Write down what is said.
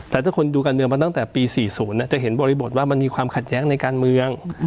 แต่ถ้าคนดูการเมืองมาตั้งแต่ปี๔๐จะเห็นบริบทว่ามันมีความขัดแย้งในการเมือง